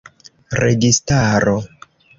registaro